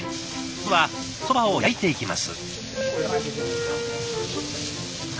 まずは茶そばを焼いていきます。